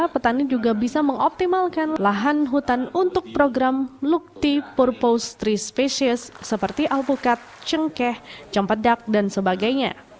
petani juga bisa mengoptimalkan lahan hutan untuk program lukti purpose tiga species seperti alpukat cengkeh jempedak dan sebagainya